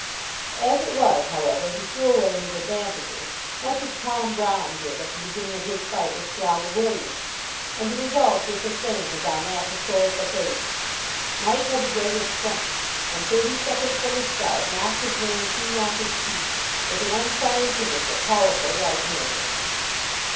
As it was, however, he threw away his advantages, much as Tom Brown did at the beginning of his fight with Slogger Williams, and the result was the same as on that historic occasion. Mike had the greater strength, and, thirty seconds from the start, knocked his man clean off his feet with an unscientific but powerful right hander.